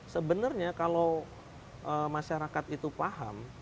sebenarnya kalau masyarakat itu paham